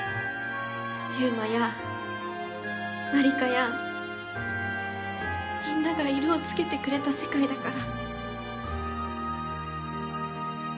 悠真や麻里香やみんなが色を付けてくれた世界だから。